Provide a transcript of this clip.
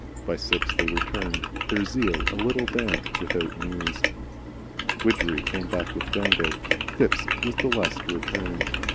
By six they returned, their zeal a little damped, without news. Widgery came back with Dangle. Phipps was the last to return.